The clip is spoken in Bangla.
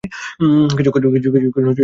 কিছুক্ষণ চুপ থাকতে পারবে?